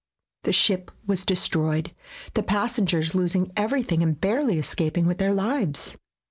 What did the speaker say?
The ship was destroyed, the pas sengers losing everything and barely escap ing with their lives.